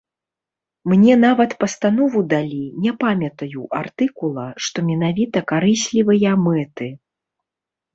Мне нават пастанову далі, не памятаю артыкула, што менавіта карыслівыя мэты.